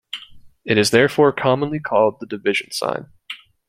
It is therefore commonly called the division sign.